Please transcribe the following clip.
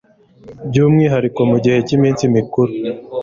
By’umwihariko mu gihe cy’iminsi mikuru